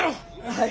はい。